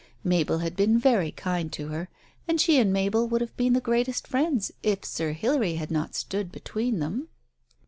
Mabel had been very kind to her, and she and Mabel would have been the greatest friends if Sir Hilary had not stood between them.